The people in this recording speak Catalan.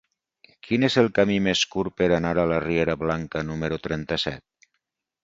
Quin és el camí més curt per anar a la riera Blanca número trenta-set?